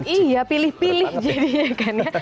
iya pilih pilih jadinya kan ya